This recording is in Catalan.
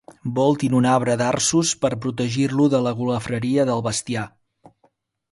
Voltin un arbre d'arços per protegir-lo de la golafreria del bestiar.